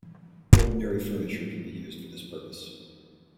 Ordinary furniture can be used for this purpose.